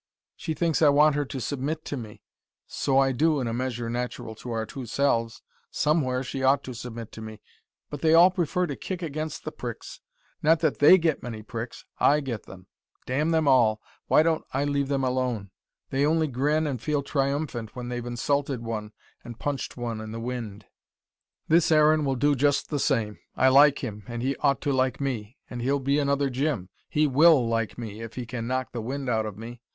She thinks I want her to submit to me. So I do, in a measure natural to our two selves. Somewhere, she ought to submit to me. But they all prefer to kick against the pricks. Not that THEY get many pricks. I get them. Damn them all, why don't I leave them alone? They only grin and feel triumphant when they've insulted one and punched one in the wind. "This Aaron will do just the same. I like him, and he ought to like me. And he'll be another Jim: he WILL like me, if he can knock the wind out of me.